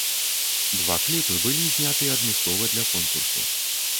Два кліпы былі зняты адмыслова для конкурсу.